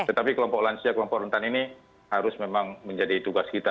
tetapi kelompok lansia kelompok rentan ini harus memang menjadi tugas kita